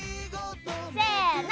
せの！